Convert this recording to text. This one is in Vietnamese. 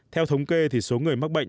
theo thống kê số người mắc bệnh